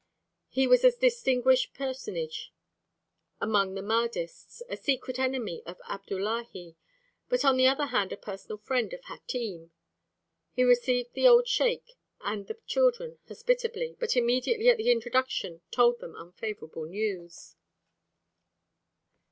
He was a distinguished personage among the Mahdists, a secret enemy of Abdullahi, but on the other hand a personal friend of Hatim. He received the old sheik and the children hospitably, but immediately at the introduction told them unfavorable news.